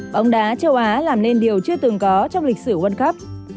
bóng đá châu á làm nên điều chưa từng có trong lịch sử world cup